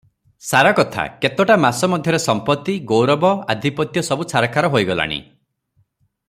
ସାରକଥା କେତୋଟା ମାସ ମଧ୍ୟରେ ସମ୍ପତ୍ତି, ଗୌରବ, ଆଧିପତ୍ୟ ସବୁ ଛାରଖାର ହୋଇଗଲାଣି ।